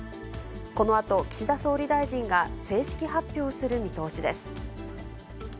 このあと岸田総理大臣が正式発表する見通しです。